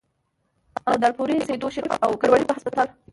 او د الپورۍ ، سېدو شريف ، او کروړې پۀ هسپتال